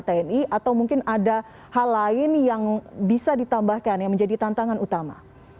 tni atau mungkin ada hal lain yang bisa ditambahkan yang menjadi tantangan utama